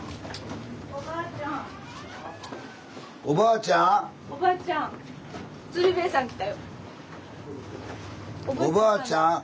おばあちゃん。